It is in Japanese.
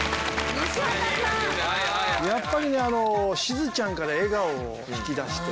やっぱりねしずちゃんから笑顔を引き出して。